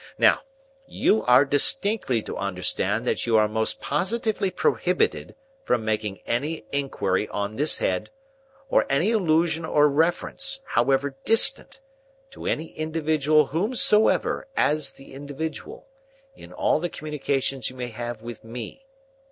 Now, you are distinctly to understand that you are most positively prohibited from making any inquiry on this head, or any allusion or reference, however distant, to any individual whomsoever as the individual, in all the communications you may have with me.